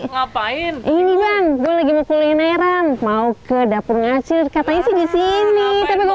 ngapain ini kan gue lagi mau kulineran mau ke dapur ngacir katanya sih disini tapi gue